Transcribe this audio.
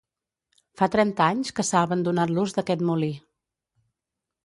Fa trenta anys que s'ha abandonat l'ús d'aquest molí.